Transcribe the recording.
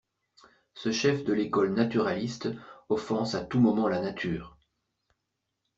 Ce chef de l'école naturaliste offense à tout moment la nature.